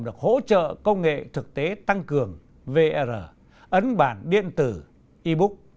được hỗ trợ công nghệ thực tế tăng cường ấn bản điện tử